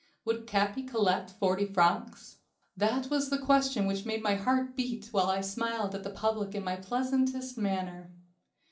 Would Capi collect forty francs? That was the question which made my heart beat while I smiled at the public in my pleasantest manner.